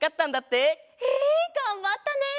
えがんばったね！